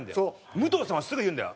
武藤さんはすぐ言うんだよ。